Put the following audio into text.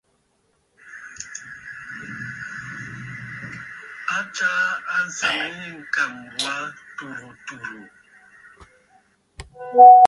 A tsaa àŋsaŋ yî ŋ̀kàŋ wà tùrə̀ tùrə̀.